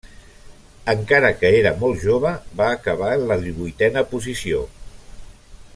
Encara que era molt jove, va acabar en la divuitena posició.